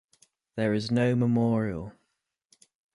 There is no memorial.